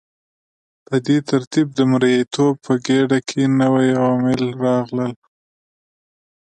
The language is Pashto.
په دې ترتیب د مرئیتوب په ګیډه کې نوي عوامل راغلل.